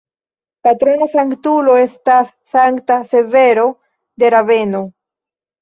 Patrona sanktulo estas Sankta Severo de Raveno.